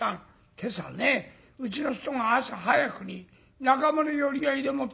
今朝ねうちの人が朝早くに仲間の寄り合いでもって横浜へ出かけたのよ」。